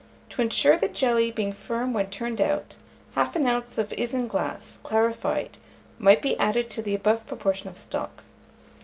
To insure the jelly being firm when turned out, 1/2 oz. of isinglass clarified might be added to the above proportion of stock.